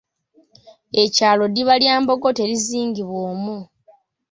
Ekyalo ddiba lya mbogo terizingwa omu